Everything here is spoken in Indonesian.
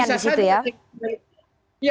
ada kelamaian di situ ya